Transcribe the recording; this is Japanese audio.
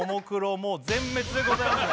もう全滅でございます